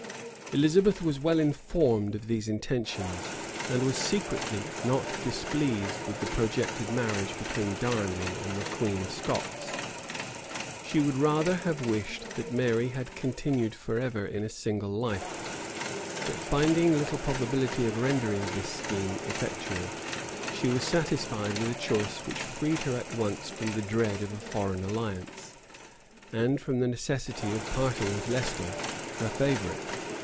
Elizabeth was well informed of these intentions;[*] and was secretly not displeased with the projected marriage between Darnley and the queen of Scots.[] She would rather have wished that Mary had continued forever in a single life; but finding little probability of rendering this scheme effectual, she was satisfied with a choice which freed her at once from the dread of a foreign alliance, and from the necessity of parting with Leicester, her favorite.